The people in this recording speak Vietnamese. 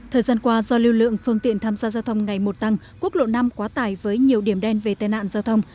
thời gian qua do lưu lượng phương tiện tham gia giao thông ngày một tăng quốc lộ năm quá tải với nhiều điểm đen về tai nạn giao thông